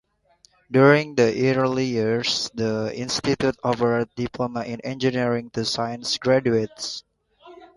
During the early years, the institute offered Diploma in Engineering to science graduates.